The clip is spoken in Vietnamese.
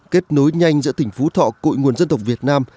kết nối nhanh giữa tỉnh phú thọ cội nguồn dân tộc việt nam